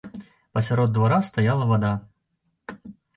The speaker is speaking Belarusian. Пасярод двара стаяла вада.